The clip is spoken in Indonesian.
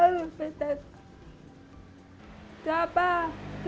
kupin dua baru